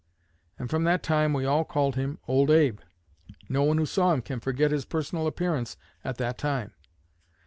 _' And from that time we all called him 'Old Abe.' No one who saw him can forget his personal appearance at that time.